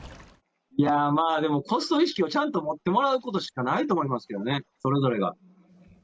いやー、まあ、コスト意識をちゃんと持ってもらうことしかないと思いますけどね、それぞれが。